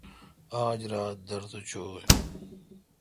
آج را دورتھ چوی۔